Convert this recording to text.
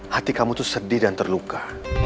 hati kamu itu sedih dan terluka